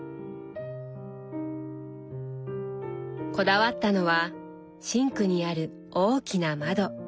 こだわったのはシンクにある大きな窓。